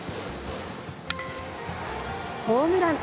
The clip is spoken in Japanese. ホームラン。